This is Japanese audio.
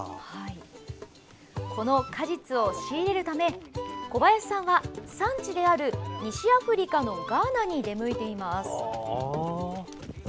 この果実を仕入れるため小林さんは産地である西アフリカのガーナに出向いています。